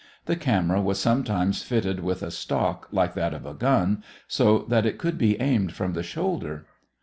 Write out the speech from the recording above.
The camera was sometimes fitted with a stock like that of a gun, so that it could be aimed from the shoulder.